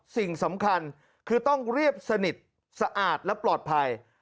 สิ่งสำคัญคือต้องเรียบสนิทสะอาดและปลอดภัย